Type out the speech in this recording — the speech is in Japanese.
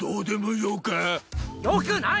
よくない！